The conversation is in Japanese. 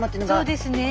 そうですね。